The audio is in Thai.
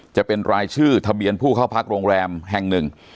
จะเป็นรายชื่อทะเบียนผู้เข้าพักโรงแรมแห่งหนึ่ง